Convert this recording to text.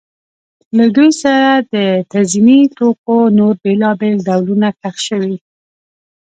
له دوی سره د تزیني توکو نور بېلابېل ډولونه ښخ شوي